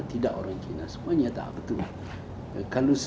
tidak orang cina semuanya tak betul